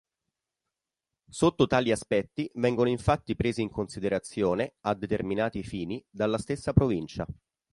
Sotto tali aspetti vengono infatti presi in considerazione, a determinati fini, dalla stessa provincia.